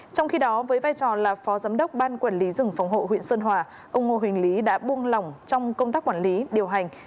trong khi đó với vai trò là phó giám đốc ban quản lý rừng phòng hộ huyện sơn hòa ông ngô huỳnh lý đã buông lỏng trong công tác quản lý điều hành